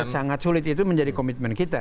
sangat sulit itu menjadi komitmen kita